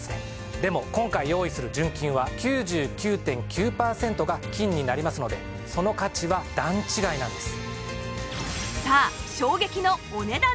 でも今回用意する純金は９９．９パーセントが金になりますのでその価値は段違いなんです。